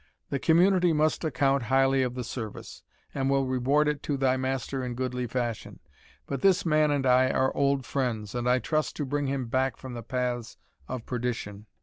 The Community must account highly of the service, and will reward it to thy master in goodly fashion. But this man and I are old friends, and I trust to bring him back from the paths of perdition."